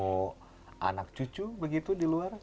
atau anak cucu begitu di luar